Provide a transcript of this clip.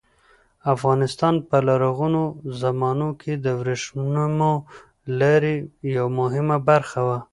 افغانستان په لرغونو زمانو کې د ورېښمو لارې یوه مهمه برخه وه.